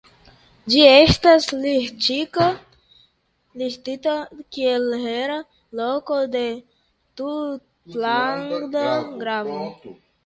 Ĝi estas listita kiel hereda loko de tutlanda gravo.